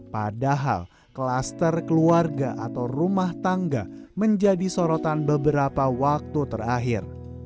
padahal klaster keluarga atau rumah tangga menjadi sorotan beberapa waktu terakhir